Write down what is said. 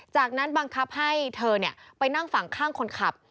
จากนั้นบังคับให้เธอไปนั่งฝั่งข้างคนขับ